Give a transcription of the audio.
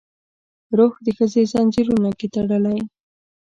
روح د ښځې ځنځیرونو کې تړلی